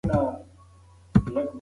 آیا ته د خپلې ټولنې په جوړښت پوهېږې؟